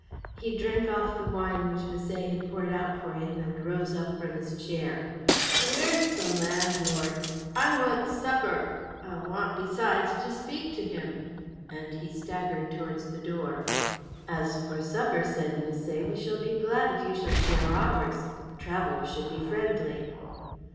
He drank off the wine which Misset had poured out for him, and rose from his chair. "Where's the landlord? I want supper. I want besides to speak to him;" and he staggered towards the door. "As for supper," said Misset, "we shall be glad if you will share ours. Travellers should be friendly."